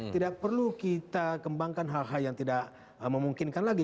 tidak perlu kita kembangkan hal hal yang tidak memungkinkan lagi